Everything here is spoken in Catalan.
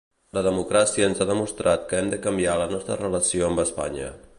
La democràcia ens ha demostrat que hem de canviar la nostra relació amb Espanya.